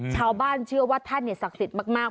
ชาวบ้านเชื่อว่าท่านศักดิ์สิทธิ์มาก